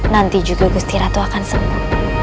nanti juga gusti ratu akan sembuh